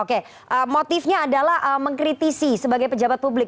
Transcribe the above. oke motifnya adalah mengkritisi sebagai pejabat publik